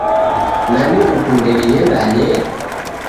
Nani ukunde dighendanye?